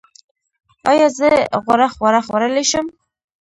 ایا زه غوړ خواړه خوړلی شم؟